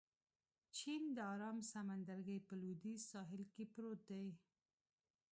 چین د ارام سمندرګي په لوېدیځ ساحل کې پروت دی.